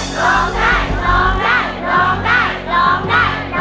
ร้องได้ร้องได้ร้องได้